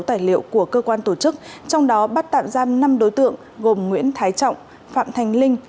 tài liệu của cơ quan tổ chức trong đó bắt tạm giam năm đối tượng gồm nguyễn thái trọng phạm thành linh